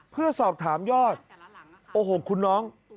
เพื่อสอบถามยอดโอ้โหคุณน้อง